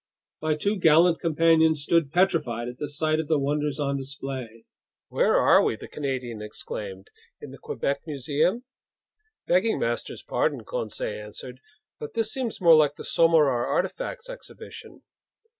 My two gallant companions stood petrified at the sight of the wonders on display. "Where are we?" the Canadian exclaimed. "In the Quebec Museum?" "Begging master's pardon," Conseil answered, "but this seems more like the Sommerard artifacts exhibition!"